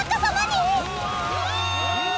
うわ！